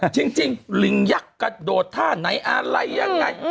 จริงลิงยักษ์กระโดดท่าไหนอะไรยังไง